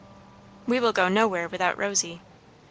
"We will go nowhere without Rosy."